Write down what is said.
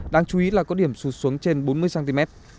đáng chú ý là có điểm sụt xuống trên bốn mươi cm